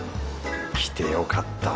来てよかった